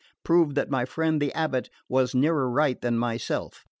proved that my friend the abate was nearer right than myself.